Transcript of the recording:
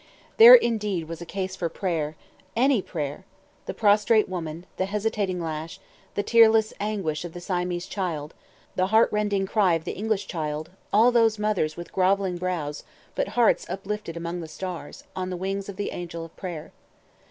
There indeed was a case for prayer, any prayer! the prostrate woman, the hesitating lash, the tearless anguish of the Siamese child, the heart rending cry of the English child, all those mothers with grovelling brows, but hearts uplifted among the stars, on the wings of the Angel of Prayer.